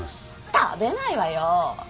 食べないわよ。